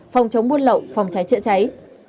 phòng chống buôn lậu phòng cháy chữa cháy